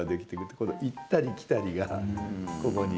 行ったり来たりがここに。